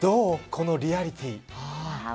このリアリティー。